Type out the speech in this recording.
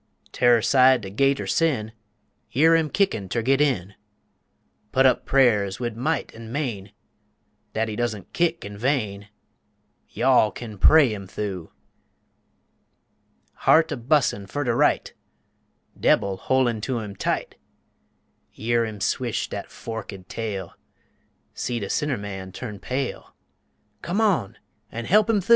Tu'rr side de Gate er Sin, Year him kickin' ter git in, Putt up prayers wid might an' main, Dat he doesn' kick in vain, Y'all kin pray him thu. Heart a bus'in' fer de right, Debil hol'in' to him tight, Year him swish dat forkéd tail, See de sinner man turn pale, Come on an' he'p him thu.